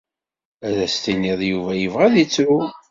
Ad as-tiniḍ Yuba yebɣa ad ittru.